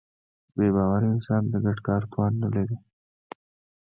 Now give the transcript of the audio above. بېباوره انسان د ګډ کار توان نهلري.